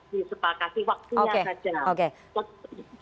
disepakati waktunya saja